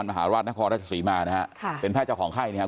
ในช่วงความเป็นความร้ายของเรา